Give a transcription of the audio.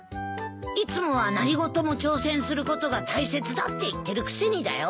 いつもは何事も挑戦することが大切だって言ってるくせにだよ。